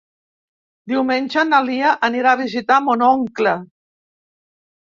Diumenge na Lia anirà a visitar mon oncle.